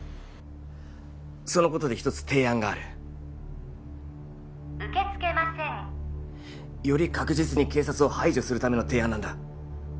そのことで一つ提案がある受け付けませんより確実に警察を排除するための提案なんだ